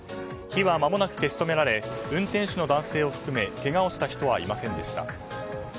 火はまもなく消し止められ運転手の男性を含めけがをした人はいませんでした。